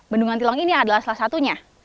bendungan tilang ini adalah salah satunya